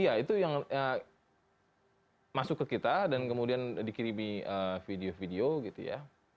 iya itu yang masuk ke kita dan kemudian dikirimi video video gitu ya